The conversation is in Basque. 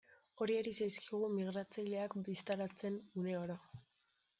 Hori ari zaizkigu migratzaileak bistaratzen, uneoro.